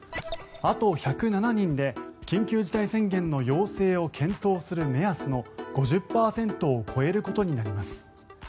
あと１０７人で緊急事態宣言の要請を検討する目安の５０％を超えることになります。